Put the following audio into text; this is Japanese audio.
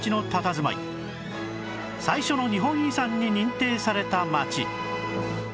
最初の日本遺産に認定された町